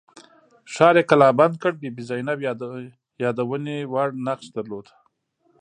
ښار یې کلابند کړ بي بي زینب یادونې وړ نقش درلود.